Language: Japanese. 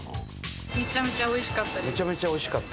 めちゃめちゃおいしかった？